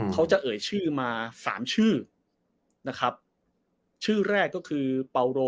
เขาจะเอ่ยชื่อมาสามชื่อนะครับชื่อแรกก็คือเปาโร